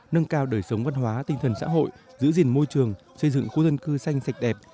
nâng cao đời sống văn hóa tinh thần xã hội giữ gìn môi trường xây dựng khu dân cư xanh sạch đẹp